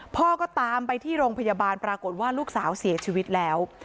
พ่อก็ตามไปที่โรงพยาบาลปรากฏว่าลูกสาวเสียชีวิตแล้ว